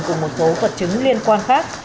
cùng một số vật chứng liên quan khác